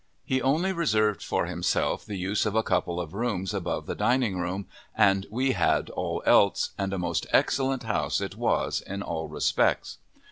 He only reserved for himself the use of a couple of rooms above the dining room, and we had all else, and a most excellent house it was in all respects.